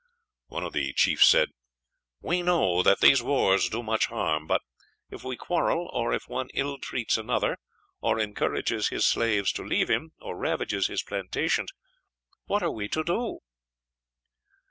"We know," one of them said, "that these wars do much harm; but if we quarrel, or if one ill treats another, or encourages his slaves to leave him, or ravages his plantations, what are we to do?"